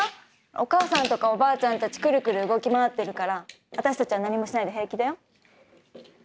お母さんとかおばあちゃんたちくるくる動き回ってるから私たちは何もしないで平気だよ。